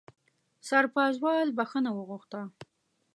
سرپازوال بښنه وغوښته.